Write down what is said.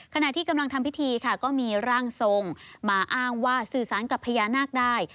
ขณะที่กำลังทำพิธีค่ะก็มีร่างทรงมาอ้างว่าสื่อสารกับพญานาคได้